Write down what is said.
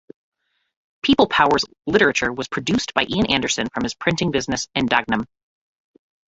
People Power's literature was produced by Ian Anderson, from his printing business in Dagenham.